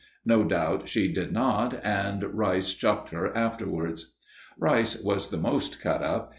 No doubt she didn't, and Rice chucked her afterwards. Rice was the most cut up.